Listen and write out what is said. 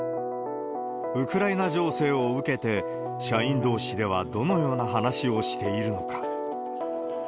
ウクライナ情勢を受けて、社員どうしではどのような話をしているのか。